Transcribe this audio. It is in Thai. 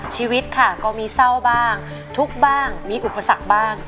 ชีวิตค่ะก็มีเศร้าบ้างทุกข์บ้างมีอุปสรรคบ้าง